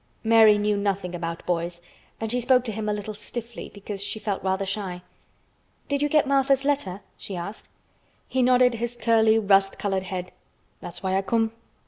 Mary knew nothing about boys and she spoke to him a little stiffly because she felt rather shy. "Did you get Martha's letter?" she asked. He nodded his curly, rust colored head. "That's why I come."